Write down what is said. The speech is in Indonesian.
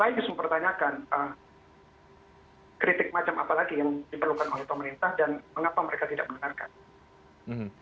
saya justru mempertanyakan kritik macam apa lagi yang diperlukan oleh pemerintah dan mengapa mereka tidak mendengarkan